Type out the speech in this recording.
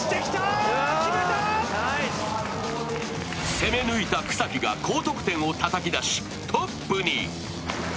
攻め抜いた草木が高得点をたたき出し、トップに。